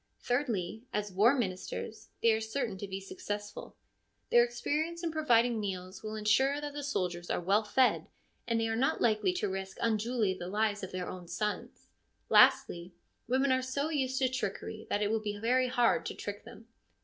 Thirdly, as war ministers, they are certain to be successful ; their experience in providing meals will ensure that the soldiers are well fed, and they are not likely to risk unduly the lives of their own sons. Lastly, women are so used to trickery that it will be very hard to trick them.